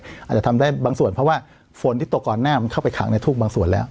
อาจจะทำได้บางส่วนเพราะว่าฝนที่ตกก่อนหน้ามันเข้าไปขังในทุกบางส่วนแล้ว